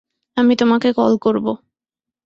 আমি তোমাকে কল করবো।